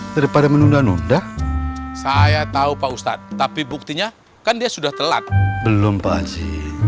daripada menunda nunda saya tahu pak ustadz tapi buktinya kan dia sudah telat belum panci